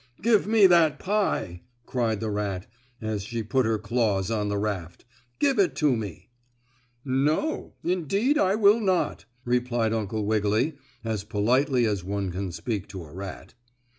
"Give me that pie!" cried the rat, as she put her claws on the raft. "Give it to me." "No, indeed, I will not," replied Uncle Wiggily, as politely as one can speak to a rat.